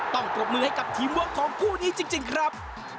ต้องปรบมือให้กับทีมวงของผู้นี้จริงครับ